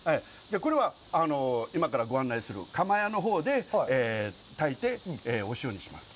これは今からご案内する釜屋のほうで炊いてお塩にします。